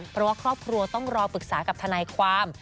เพราะว่าครอบครัวต้องรอปรึกษากับทนายความ